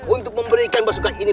untuk memberikan basuhkan ini